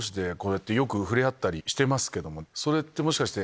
それってもしかして。